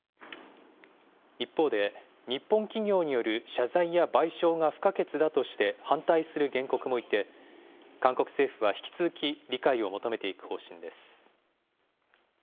一方で、日本企業による謝罪や賠償が不可欠だとして反対する原告もいて、韓国政府は引き続き、理解を求めていく方針です。